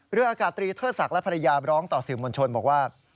เรืออากาศตรีเทิดศักดิ์และภรรยาร้องต่อสื่อมวลชนบอกว่า